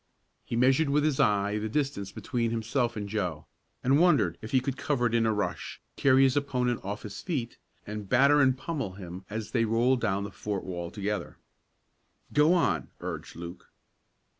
He measured with his eye the distance between himself and Joe, and wondered if he could cover it in a rush, carry his opponent off his feet, and batter and pummel him as they rolled down the fort wall together. "Go on!" urged Luke.